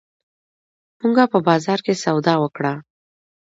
مونږه په بازار کښې سودا وکړه